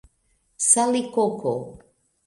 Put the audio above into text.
salikoko